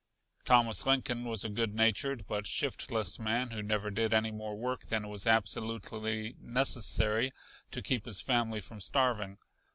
Thomas Lincoln was a good natured but shiftless man who never did any more work than was absolutely necessary to keep his family from starving.